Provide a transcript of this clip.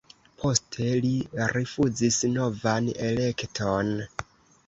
Poste li rifuzis novan elekton.